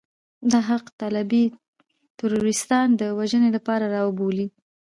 دا حق طالبي تروريستان د وژنې لپاره روا بولي.